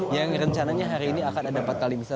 yang rencananya hari ini akan ada empat kali misal